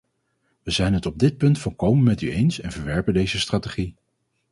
Wij zijn het op dit punt volkomen met u eens en verwerpen deze strategie.